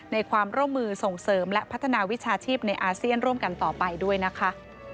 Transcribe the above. ในความร่วมมือส่งเสริมและพัฒนาวิชาชีพในอาเซียนร่วมกันต่อไปด้วยนะคะ